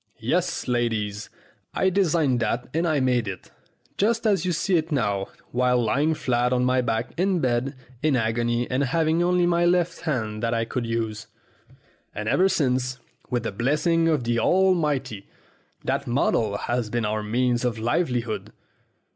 Yes, ladies, I designed that and I made it, just as you see it now, while lying flat on my back in bed in agony and having only my left hand that I could use. And ever since, with the blessing of the Almighty, that model has been our means of livelihood.